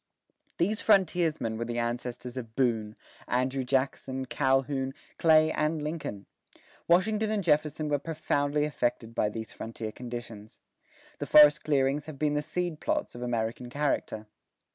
These frontiersmen were the ancestors of Boone, Andrew Jackson, Calhoun, Clay, and Lincoln. Washington and Jefferson were profoundly affected by these frontier conditions. The forest clearings have been the seed plots of American character.